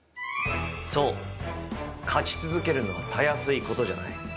そう勝ち続けるのはたやすいことじゃない。